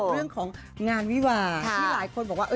เรื่องของงานวิวาที่หลายคนบอกว่า